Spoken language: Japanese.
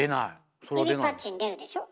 指パッチン出るでしょ？